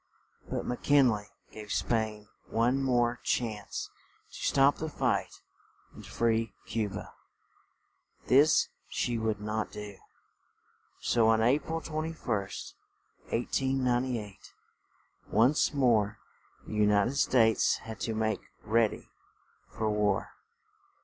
But Mc Kin ley gave Spain one more chance to stop the fight and free Cu ba; this she would not do. So on A pril 21st, 1898, once more the U nit ed States had to make read y for war.